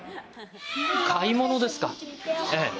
買い物ですか？